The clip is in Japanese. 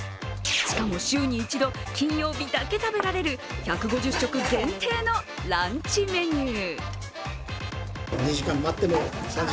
しかも、週に一度、金曜日だけ食べられる１５０食限定のランチメニュー。